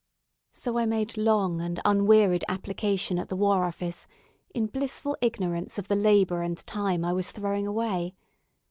So I made long and unwearied application at the War Office, in blissful ignorance of the labour and time I was throwing away.